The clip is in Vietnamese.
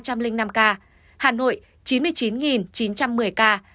hà nội chín mươi chín chín trăm một mươi ca